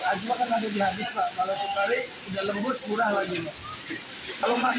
ajwa kan ada di habis pak kalau sukare udah lembut murah lagi